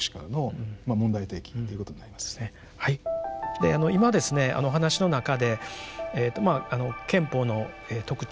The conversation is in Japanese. で今ですねお話の中でまあ憲法の特徴